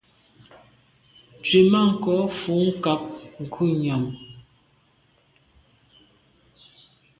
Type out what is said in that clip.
Tswemanko fo nkàb ngùyàm.